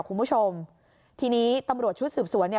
คุณผู้ชมทีนี้ตำรวจชุดสืบสวนเนี่ย